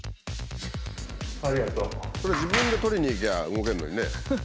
これ自分で取りに行きゃ動けるのにね。